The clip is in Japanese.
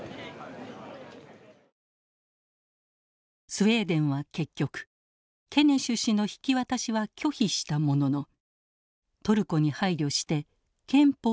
スウェーデンは結局ケネシュ氏の引き渡しは拒否したもののトルコに配慮して憲法を改正。